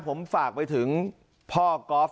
ผมฝากไปถึงพ่อกอล์ฟ